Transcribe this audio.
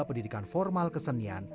pendidikan formal kesenian